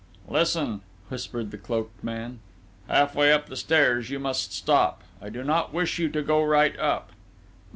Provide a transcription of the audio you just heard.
"Listen," whispered the cloaked man. "Half way up the stairs, you must stop: I do not wish you to go right up...."